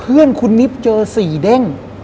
เพื่อนคุณนิบเจอ๔เด้ง